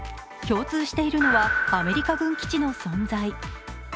共通しているのは、アメリカ軍基地の存在。